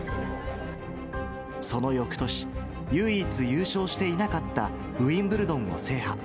そのよくとし、唯一、優勝していなかったウィンブルドンを制覇。